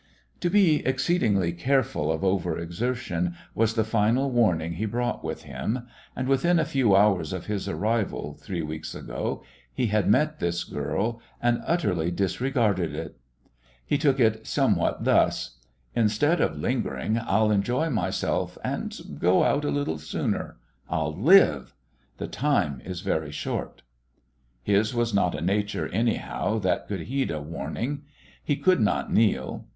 To be exceedingly careful of over exertion was the final warning he brought with him, and, within a few hours of his arrival, three weeks ago, he had met this girl and utterly disregarded it. He took it somewhat thus: "Instead of lingering I'll enjoy myself and go out a little sooner. I'll live. The time is very short." His was not a nature, anyhow, that could heed a warning. He could not kneel.